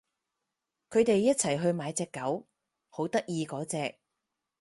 佢哋一齊去買隻狗，好得意嗰隻